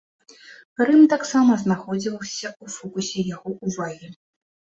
Рым таксама знаходзіўся ў фокусе яго ўвагі.